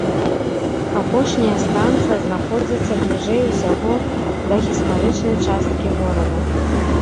Апошняя станцыя знаходзіцца бліжэй усяго да гістарычнай часткі горада.